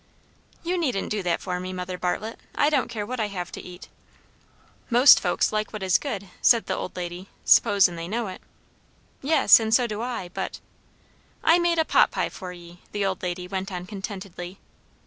"You needn't do that for me, Mother Bartlett. I don't care what I have to eat." "Most folks like what is good," said the old lady; "suppos'n they know it." "Yes, and so do I, but" "I made a pot pie for ye," the old lady went on contentedly.